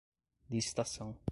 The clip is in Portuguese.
licitação